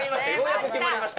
決まりました。